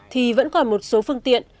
thì vẫn còn một số phương tiện